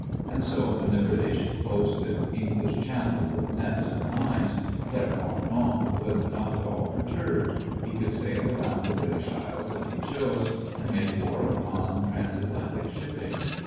And so when the British closed the English Channel with nets and mines, Herr Kommandant was not at all perturbed; he could sail around the British Isles if he chose and make war upon transatlantic shipping.